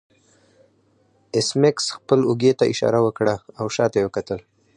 ایس میکس خپل اوږې ته اشاره وکړه او شاته یې وکتل